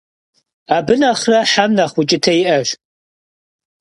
Abı nexhre hem nexh vuç'ıte yi'eş.